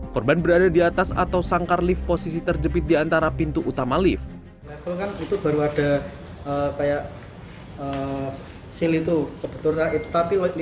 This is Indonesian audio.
korban berada di atas atau sangkar lift posisi terjepit di antara pintu utama lift